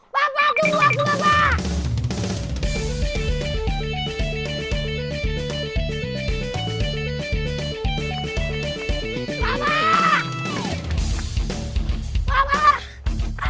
bapak tunggu aku bapak